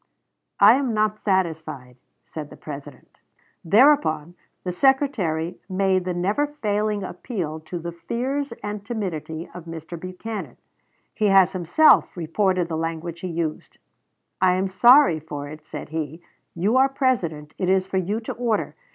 "I am not satisfied," said the President. Thereupon the Secretary made the never failing appeal to the fears and timidity of Mr. Buchanan. He has himself reported the language he used: "I am sorry for it," said he; "you are President, it is for you to order.